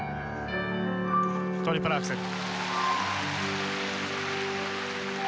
トリプルアクセル。